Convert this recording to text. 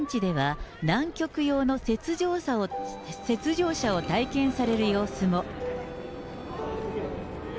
また、現地では南極用の雪上車を体験される様子も。